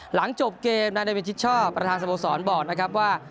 หลังจบเกมนายเดวินชิดชอบประธานสโมสรบอกนะครับว่า